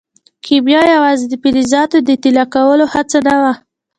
کیمیا یوازې د فلزاتو د طلا کولو هڅه نه وه.